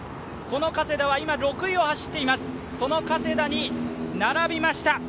加世田は今６位を走っていますが、その加世田に並びました。